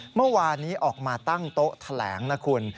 เมื่อวานนี้ออกมาตั้งโต๊ะแถลงนะคุณ